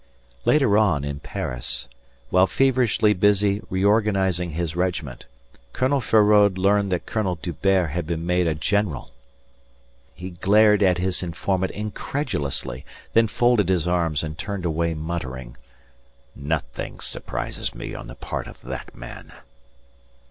Later on, in Paris, while feverishly busy reorganising his regiment, Colonel Feraud learned that Colonel D'Hubert had been made a general. He glared at his informant incredulously, then folded his arms and turned away muttering: "Nothing surprises me on the part of that man."